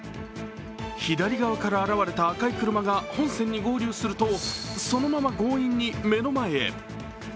左側から現れた赤い車が本線に合流するとそのまま強引に目の前へ。